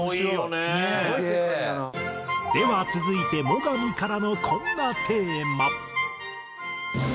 では続いて最上からのこんなテーマ。